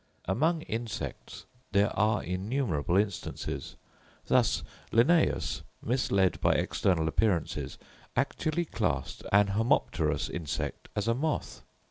Among insects there are innumerable instances; thus Linnæus, misled by external appearances, actually classed an homopterous insect as a moth.